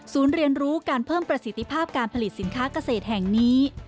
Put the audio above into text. เรียนรู้การเพิ่มประสิทธิภาพการผลิตสินค้าเกษตรแห่งนี้